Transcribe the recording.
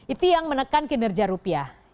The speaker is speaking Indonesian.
itu yang menekan kinerja rupiah